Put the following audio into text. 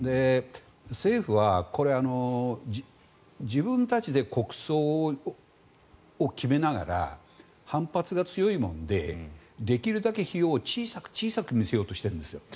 政府は自分たちで国葬を決めながら反発が強いのでできるだけ費用を小さく見せようとしているんです。